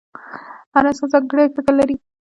• هر انسان ځانګړی فکر لري.